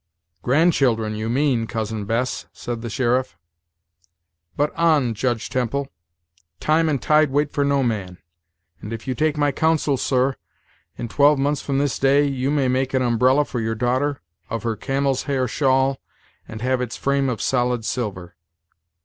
"Grandchildren, you mean, Cousin Bess," said the sheriff. "But on, Judge Temple; time and tide wait for no man; and if you take my counsel, sir, in twelve months from this day you may make an umbrella for your daughter of her camel's hair shawl, and have its frame of solid silver.